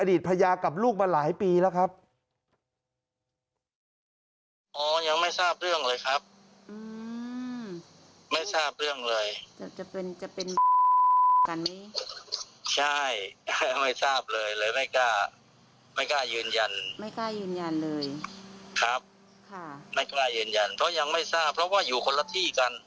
อดีตพญากับลูกมาหลายปีแล้วครับ